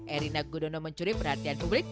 erina gudono mencuri perhatian publik